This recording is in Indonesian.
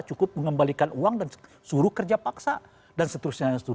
cukup mengembalikan uang dan suruh kerja paksa dan seterusnya